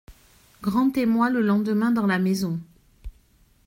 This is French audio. Grand émoi le lendemain dans la maison.